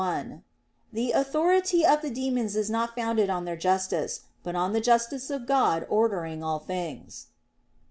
1: The authority of the demons is not founded on their justice, but on the justice of God ordering all things.